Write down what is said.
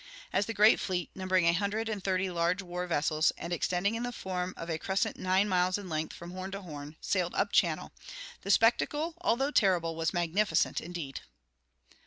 As the great fleet, numbering a hundred and thirty large war vessels, and extending in the form of a crescent nine miles in length from horn to horn, sailed up channel, the spectacle, although terrible, was magnificent indeed.